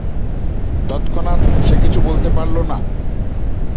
তৎক্ষণাৎ সে কিছু বলতে পারল না।